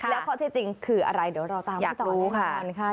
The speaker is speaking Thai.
แล้วข้อที่จริงคืออะไรเดี๋ยวเราตามไปต่อด้วยค่ะ